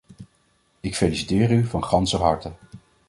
Ik feliciteer u van ganser harte.